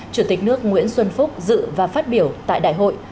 chủ tịch nước nguyễn xuân phúc dự và phát biểu tại đại hội